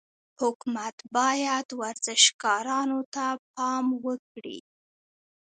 حکومت باید ورزشکارانو ته پام وکړي.